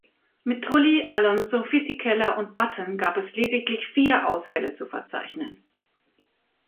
Mit Trulli, Alonso, Fisichella und Button gab es lediglich vier Ausfälle zu verzeichnen.